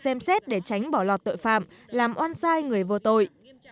xem xét để tránh bỏ lọt tội phạm làm oan sai người vô tội